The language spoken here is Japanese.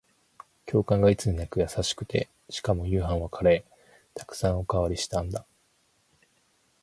教官がいつになく優しくて、しかも夕飯はカレー。沢山おかわりしたんだ。